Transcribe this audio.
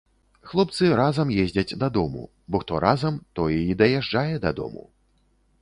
Хлопцы разам ездзяць дадому, бо хто разам, той і даязджае да дому.